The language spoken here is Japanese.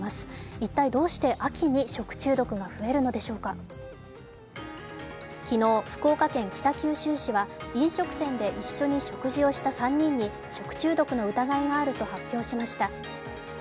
一体どうして秋に食中毒が増えるのでしょうか昨日、福岡県北九州市は、飲食店で一緒に食事をした３人に食中毒の疑いがあると発表しました。